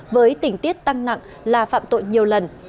với tỉnh tiết tăng nặng là phạm tội nhiều lần